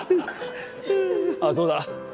あっそうだ。